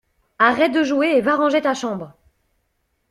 Arrête de jouer et va ranger ta chambre!